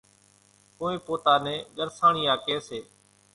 ڪونئين پوتا نين ڳرسانڻِيا ڪيَ سي۔